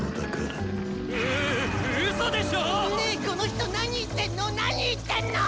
この人何言ってんの？